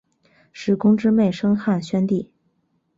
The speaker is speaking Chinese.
史恭之妹生汉宣帝。